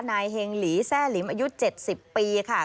เฮงหลีแซ่หลิมอายุ๗๐ปีค่ะ